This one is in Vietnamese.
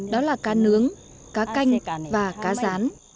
đó là cá nướng cá canh và cá rán